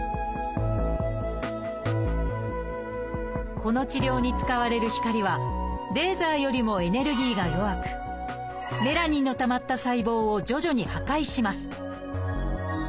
この治療に使われる光はレーザーよりもエネルギーが弱くメラニンのたまった細胞を徐々に破壊します